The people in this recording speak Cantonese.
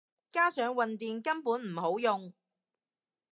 加上混電根本唔好用